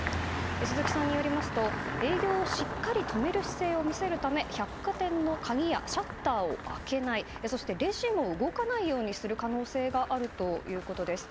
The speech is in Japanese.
鈴木さんによりますと営業をしっかり止める姿勢を見せるため、百貨店の鍵やシャッターを開けないまたはレジを動かないようにする可能性があるということです。